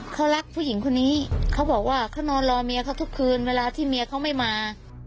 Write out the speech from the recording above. เขารักผู้หญิงคนนี้เขาบอกว่าเขานอนรอเมียเขาทุกคืนเวลาที่เมียเขาไม่มา